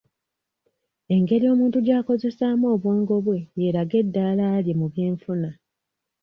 Engeri omuntu gy'akozesaamu obwongo bwe yeeraga eddaala lye mu by'enfuna.